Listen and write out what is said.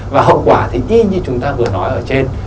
và hậu quả thì y như chúng ta vừa nói ở trên